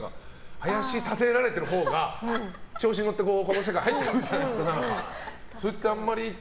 囃し立てられてるほうが調子に乗って、この世界入ってくるじゃないですか。